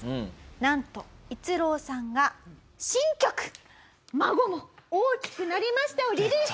なんと逸郎さんが新曲『孫も大きくなりました』をリリース！